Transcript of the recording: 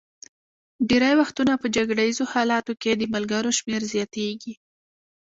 ډېری وختونه په جګړه ایزو حالاتو کې د ملګرو شمېر زیاتېږي.